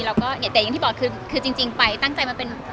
แล้วก็แต่อย่างที่บอกคือจริงไปตั้งใจมาเป็น